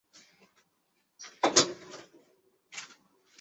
直接竞争对手是德国品牌日默瓦。